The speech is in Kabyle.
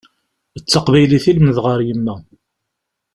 D taqbaylit i lemdeɣ ar yemma.